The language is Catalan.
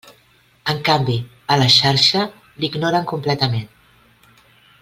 En canvi a la xarxa l'ignoren completament.